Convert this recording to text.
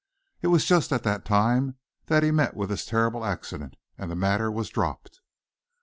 It was just as that time that he met with his terrible accident, and the matter was dropped."